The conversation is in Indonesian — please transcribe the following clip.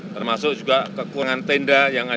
termasuk juga kekurangan tenda yang ada